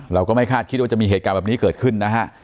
เราก็ไม่คาดคิดว่าจะมีเหตุการณ์แบบนี้เกิดขึ้นนะฮะ